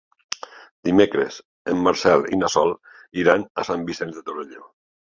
Dimecres en Marcel i na Sol iran a Sant Vicenç de Torelló.